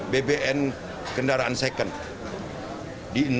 bbn kendaraan second